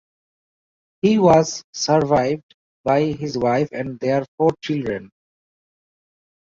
He was survived by his wife and their four children.